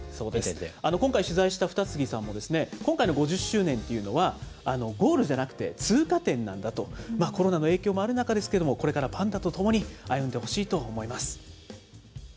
今回、取材した二木さんですね、今回の５０周年というのは、ゴールじゃなくて通過点なんだと、コロナの影響もある中ですけれども、これからパンダと共に歩んでほしいと思います。